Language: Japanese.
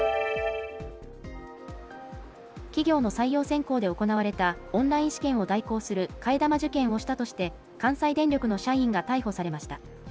企業の採用選考で行われたオンライン試験を代行する替え玉受験をしたとして、関西電力の社員が逮捕されました。